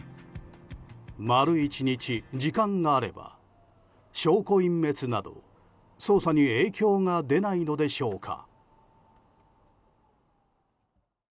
丸１日時間があれば証拠隠滅など捜査に影響が出ないのでしょうか。